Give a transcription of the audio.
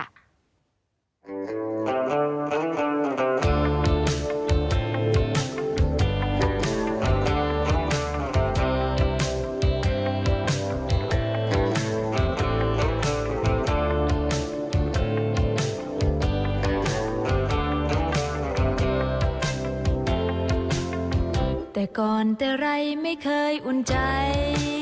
ถ้าโดนตั้งแต่ไรไม่เคยอุ่นใจ